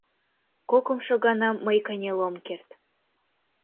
— Кокымшо гана мый кынел ом керт.